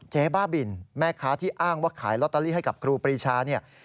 บ้าบินแม่ค้าที่อ้างว่าขายลอตเตอรี่ให้กับครูปรีชาเนี่ย